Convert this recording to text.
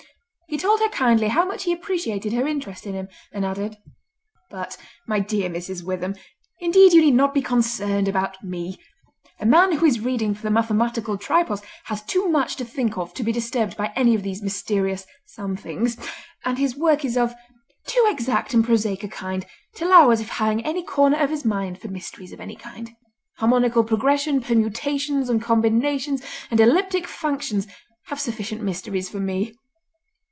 He told her kindly how much he appreciated her interest in him, and added: "But, my dear Mrs. Witham, indeed you need not be concerned about me! A man who is reading for the Mathematical Tripos has too much to think of to be disturbed by any of these mysterious 'somethings', and his work is of too exact and prosaic a kind to allow of his having any corner in his mind for mysteries of any kind. Harmonical Progression, Permutations and Combinations, and Elliptic Functions have sufficient mysteries for me!"